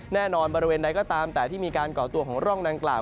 แน่นอนบริเวณใดก็ตามแต่ที่มีการก่อตัวของร่องนั้นกลาด